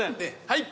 はい。